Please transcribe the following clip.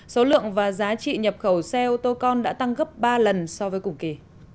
số lượng và giá trị nhập khẩu xe ô tô con đã tăng gấp ba lần so với cùng kỳ